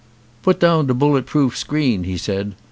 "Put down de bullet proof screen," he said.